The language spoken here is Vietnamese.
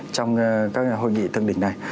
trong các hội nghị thường đỉnh này